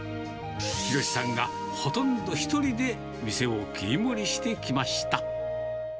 弘さんがほとんど１人で、店を切り盛りしてきました。